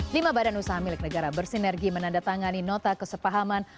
lima badan usaha milik negara bersinergi menandatangani nota kesepahaman